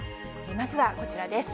まずはこちらです。